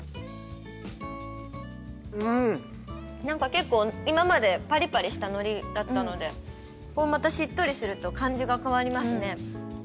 結構今までパリパリしたのりだったのでまたしっとりすると感じが変わりますね。